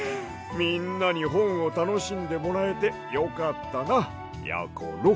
みんなにほんをたのしんでもらえてよかったなやころ。